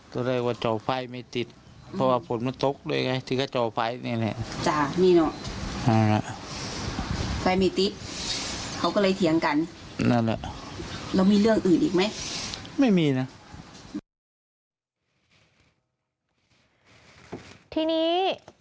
ที่นี่คือเมื่อกล้านนี้